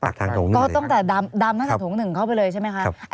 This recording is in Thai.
ก็ตั้งแต่ดำตั้งแต่โถงหนึ่งเข้าไปเลยใช่ไหมคะ